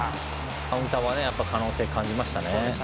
カウンターは可能性、感じましたね。